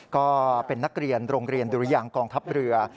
ก็เป็นนักเรียนโรงเรียนดุรยังกองทัพเรือ